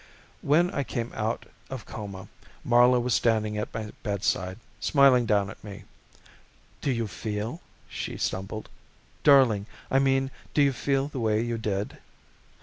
When I came out of coma Marla was standing at my bedside, smiling down at me. "Do you feel," she stumbled, "darling, I mean, do you feel the way you did?"